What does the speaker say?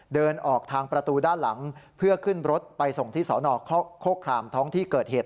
เดินออกทางประตูด้านหลังเพื่อขึ้นรถไปส่งที่สนโคครามท้องที่เกิดเหตุ